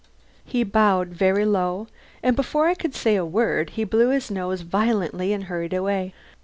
He bowed very low, and before I could say a word he blew his nose violently and hurried away.